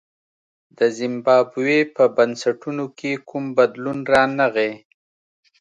د زیمبابوې په بنسټونو کې کوم بدلون رانغی.